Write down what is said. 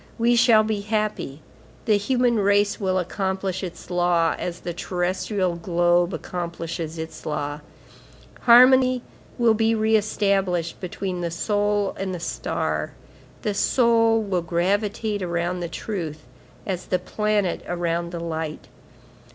We shall be happy. The human race will accomplish its law, as the terrestrial globe accomplishes its law; harmony will be re established between the soul and the star; the soul will gravitate around the truth, as the planet around the light.